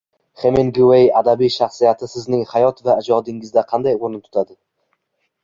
Heminguey adabiy shaxsiyati sizning hayot va ijodingizda qanday o‘rin tutadi